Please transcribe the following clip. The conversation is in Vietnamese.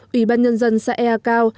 ủy ban nhân dân xã ea cao